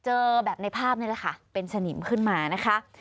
เจอแบบในภาพนี่แหละค่ะเป็นสนิมขึ้นมานะคะ